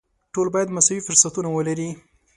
ټول باید مساوي فرصتونه ولري.